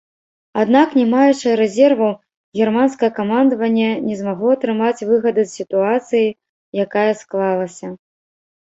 Аднак, не маючы рэзерваў, германскае камандаванне не змагло атрымаць выгады з сітуацыі, якая склалася.